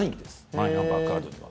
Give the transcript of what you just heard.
マイナンバーカードには。